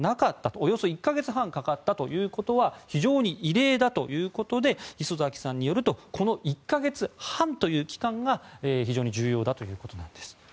およそ１か月半かかったということは非常に異例だということで礒崎さんによるとこの１か月半という期間が非常に重要だということなんです。